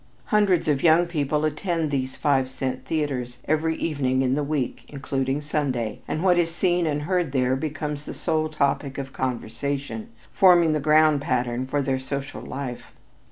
Hundreds of young people attend these five cent theaters every evening in the week, including Sunday, and what is seen and heard there becomes the sole topic of conversation, forming the ground pattern of their social life.